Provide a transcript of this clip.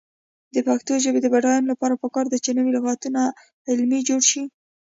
د پښتو ژبې د بډاینې لپاره پکار ده چې نوي لغتونه علمي جوړ شي.